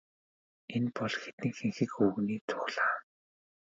Энэ бол хэдэн хэнхэг өвгөний цуглаан.